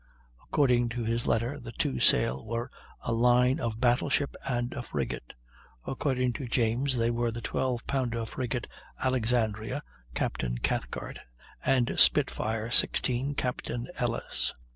According to his letter the two sail were a line of battle ship and a frigate; according to James they were the 12 pounder frigate Alexandria, Captain Cathcart, and Spitfire, 16, Captain Ellis.